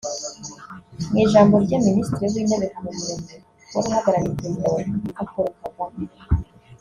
Mu ijambo rye Minisitiri w’Intebe Habumuremyi wari uhagarariye Perezida wa Repubulika Paul Kagame